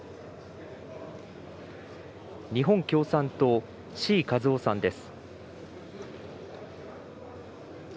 日本共産党、志位和夫さんです。